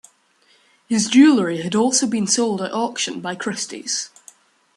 His jewelry has also been sold at auction by Christie's.